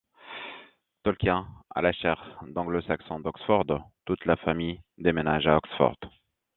Tolkien à la chaire d'anglo-saxon d'Oxford, toute la famille déménage à Oxford.